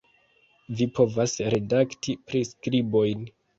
Vi povas redakti priskribojn